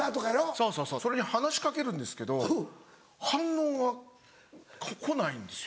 そうそうそうそれに話しかけるんですけど反応が来ないんですよ。